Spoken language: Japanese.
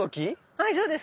はいそうです